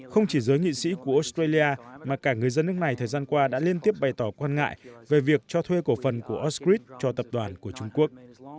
không chỉ giới nghị sĩ của australia mà cả người dân nước này thời gian qua đã liên tiếp bày tỏ quan ngại về việc cho thuê cổ phần của oscrid cho tập đoàn của trung quốc